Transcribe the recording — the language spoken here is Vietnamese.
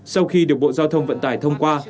sau khi được bộ giao thông vận tải thông qua